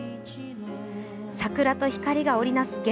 桜と光が織りなす